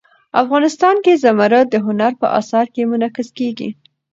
افغانستان کې زمرد د هنر په اثار کې منعکس کېږي.